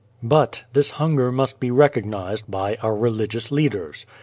But this hunger must be recognized by our religious leaders.